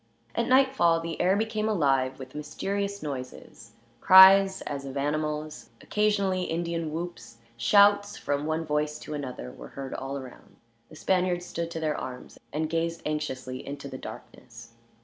At nightfall the air became alive with mysterious noises; cries as of animals, occasionally Indian whoops, shouts from one voice to another were heard all around. The Spaniards stood to their arms, and gazed anxiously into the darkness.